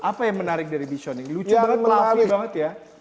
apa yang menarik dari bichon lucu banget lovey banget ya